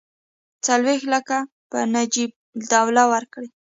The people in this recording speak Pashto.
څلوېښت لکه به نجیب الدوله ورکړي.